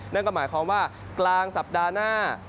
นั่นก็หมายความว่ากลางสัปดาห์หน้า